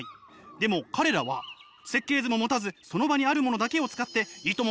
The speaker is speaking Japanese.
でも彼らは設計図も持たずその場にあるものだけを使っていとも